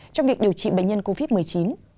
trong việc điều trị bệnh nhân covid một mươi chín